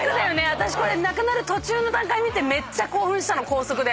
私なくなる途中の段階見てめっちゃ興奮したの高速で。